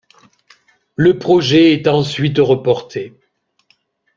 Le projet est ensuite reporté.